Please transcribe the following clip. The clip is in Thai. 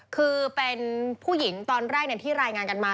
คือเป็นผู้หญิงตอนแรกที่รายงานกันมา